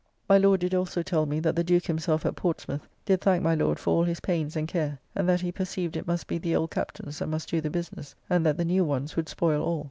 My Lord did also tell me, that the Duke himself at Portsmouth did thank my Lord for all his pains and care; and that he perceived it must be the old Captains that must do the business; and that the new ones would spoil all.